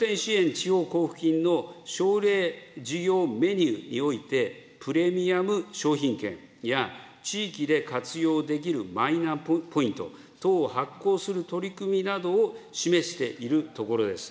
地方交付金の奨励事業メニューにおいて、プレミアム商品券や、地域で活用できるマイナポイント等を発行する取り組みなどを示しているところです。